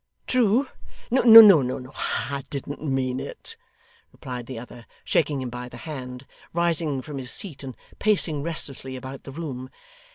'True. No No. I I didn't mean it,' replied the other, shaking him by the hand, rising from his seat, and pacing restlessly about the room.